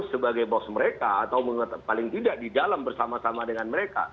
sebagai bos mereka atau paling tidak di dalam bersama sama dengan mereka